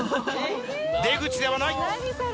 出口ではない。